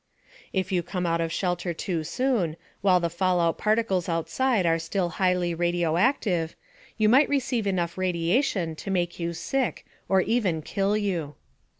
If you came out of shelter too soon, while the fallout particles outside were still highly radioactive, you might receive enough radiation to make you sick or even kill you.